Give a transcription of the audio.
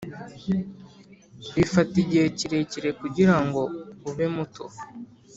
bifata igihe kirekire kugirango ube muto.